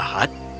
ya itu dia